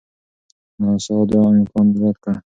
ناسا دا امکان رد کړ.